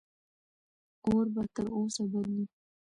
اور به تر اوسه بل وي.